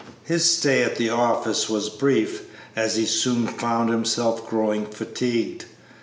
His stay at the office was brief, as he soon found himself growing fatigued.